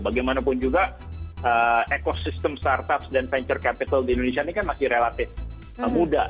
bagaimanapun juga ekosistem startups dan venture capital di indonesia ini kan masih relatif muda